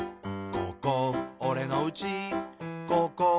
「ここ、おれのうち」